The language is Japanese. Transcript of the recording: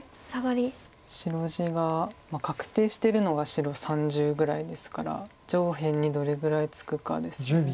白地が確定してるのが白３０ぐらいですから上辺にどれぐらいつくかです。